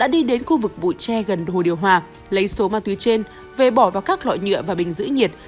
đi đến khu vực bụi tre gần hồ điều hòa lấy số ma túy trên về bỏ vào các loại nhựa và bình giữ nhiệt